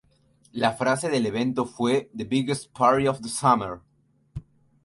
La frase del evento fue "The Biggest Party of the Summer".